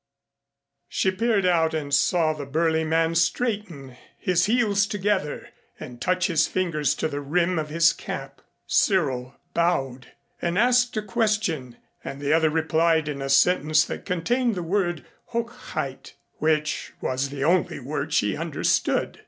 She peered out and saw the burly man straighten, his heels together, and touch his fingers to the rim of his cap. Cyril bowed and asked a question and the other replied in a sentence that contained the word "Hochheit," which was the only word she understood.